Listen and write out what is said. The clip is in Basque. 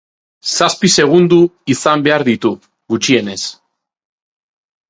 Zazpi segundu izan behar ditu, gutxienez.